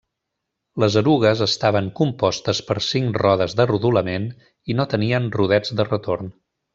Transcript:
Les erugues estaven compostes per cinc rodes de rodolament i no tenien rodets de retorn.